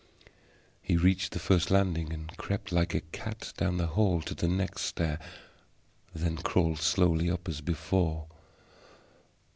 He reached the first landing and crept like a cat down the hall to the next stair, then crawled slowly up as before.